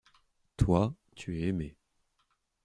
Toi, tu es aimé.